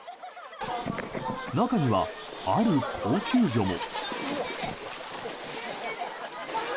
中には、ある高級魚も。